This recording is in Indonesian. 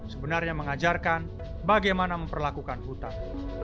sebenarnya mengajarkan bagaimana memperlakukan hutan